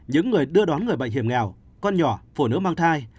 những người đưa đón người bệnh hiểm nghèo con nhỏ phụ nữ mang thai